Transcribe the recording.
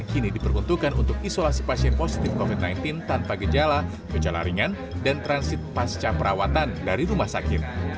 kini diperuntukkan untuk isolasi pasien positif covid sembilan belas tanpa gejala gejala ringan dan transit pasca perawatan dari rumah sakit